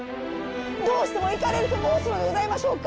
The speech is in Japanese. どうしても行かれると申すのでございましょうか？